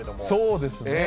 そうですね。